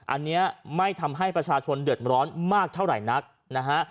อันนี้ไม่ทำให้ประชาชนเดือดร้อนมากเท่าไหร่นักนะฮะ